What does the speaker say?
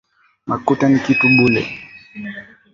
Makuta ni kitu bule